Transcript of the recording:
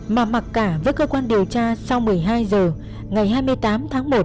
mà mặc cả với cơ quan điều tra sau một mươi hai h ngày hai mươi tám tháng một